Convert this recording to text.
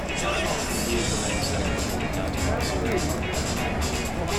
He is the namesake of Miller County, Missouri.